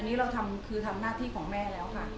อันนี้เราทำคือทำหน้าที่ของแม่แล้วค่ะ